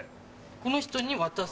この人に渡す？